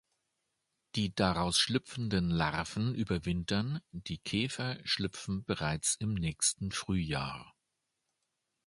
Die daraus schlüpfenden Larven überwintern, die Käfer schlüpfen bereits im nächsten Frühjahr.